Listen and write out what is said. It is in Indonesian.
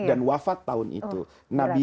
dan wafat tahun itu nabi